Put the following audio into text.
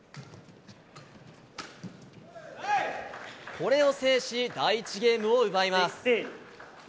これを制し第１ゲームを奪います。